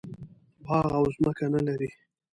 باغ او ځمکه نه لري.